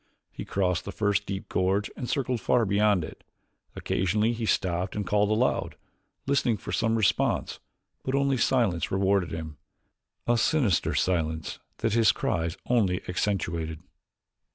He crossed the first deep gorge and circled far beyond it. Occasionally he stopped and called aloud, listening for some response but only silence rewarded him a sinister silence that his cries only accentuated.